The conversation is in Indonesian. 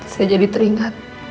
saya jadi teringat